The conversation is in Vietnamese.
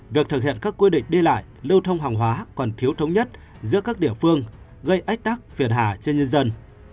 việc thực hiện các quy định đi lại lưu thông hàng hóa còn thiếu thống nhất giữa các địa phương gây ách tắc phiền hà cho nhân dân